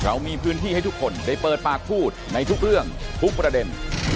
เรามีพื้นที่ให้ทุกคนได้เปิดปากพูดในทุกเรื่องทุกประเด็น